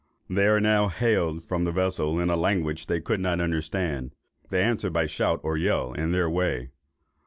They are now hailed from the vessel in a language they could not understand; they answer by a shout or yell in their way.